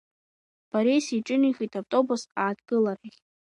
Борис иҿынеихеит автобус ааҭгыларҭахь.